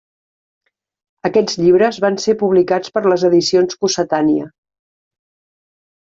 Aquests llibres van ser publicats per les Edicions Cossetània.